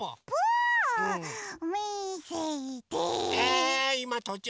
うみせて！